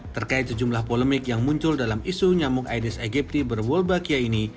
terkait sejumlah polemik yang muncul dalam isu nyamuk aedes egypti berwolbachia ini